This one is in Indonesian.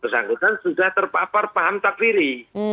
bersangkutan sudah terpapar paham takfiri